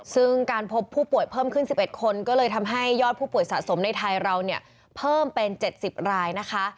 ซึ่งการพบผู้ป่วยเพิ่มขึ้น๑๑คนก็เลยทำให้ยอดผู้ป่วยสะสมในไทยเราเนี่ยเพิ่มเป็น๗๐รายนะคะ